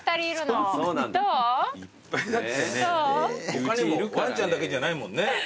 他にもワンちゃんだけじゃないもんね。